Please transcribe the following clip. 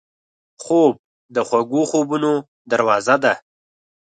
خوب د خوږو خوبونو دروازه ده